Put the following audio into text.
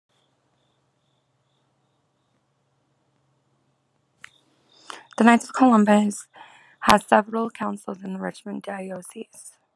The Knights of Columbus has several councils in the Richmond Diocese.